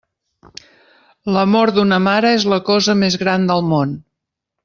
L'amor d'una mare és la cosa més gran del món.